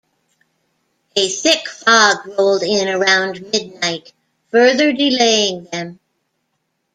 A thick fog rolled in around midnight, further delaying them.